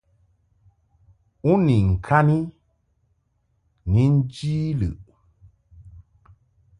U ni ŋkani ni nji lɨʼ.